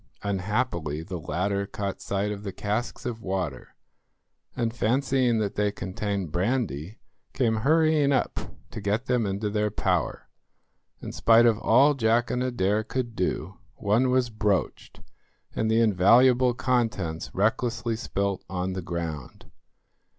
Unhappily the latter caught sight of the casks of water, and, fancying that they contained brandy, came hurrying up to get them into their power. In spite of all Jack and Adair could do, one was broached and the invaluable contents recklessly spilt on the ground.